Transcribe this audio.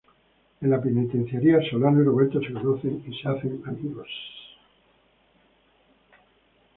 En la penitenciaria, Solano y Roberto se conocen y se hacen amigos.